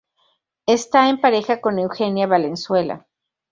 Esta en pareja con Eugenia Valenzuela